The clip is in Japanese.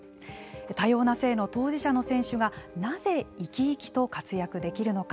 多様な性の当事者の選手がなぜ生き生きと活躍できるのか。